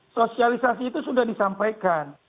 sosialisasi itu sudah disampaikan